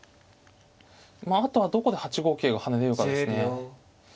まああとはどこで８五桂が跳ねれるかですね。